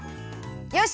よし！